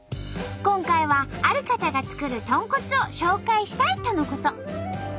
今回はある方が作る「とんこつ」を紹介したいとのこと。